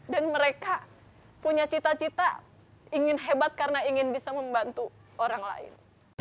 dan mereka punya cita cita ingin hebat karena ingin bisa membantu orang lain